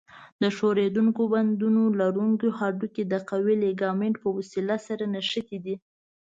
د ښورېدونکو بندونو لرونکي هډوکي د قوي لیګامنت په وسیله سره نښتي دي.